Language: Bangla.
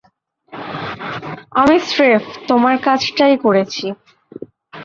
আমি স্রেফ তোমার কাজটাই করেছি।